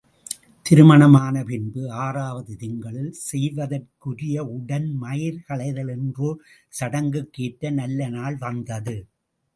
திருமணமான பின்பு ஆறாவது திங்களில் செய்வதற்கு உரிய உடன் மயிர் களைதல் என்றோர் சடங்குக்கு ஏற்ற நல்லநாள் வந்தது.